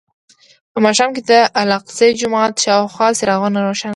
په ماښام کې د الاقصی جومات شاوخوا څراغونه روښانه شي.